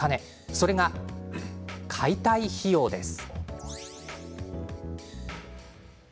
それが解体費用です。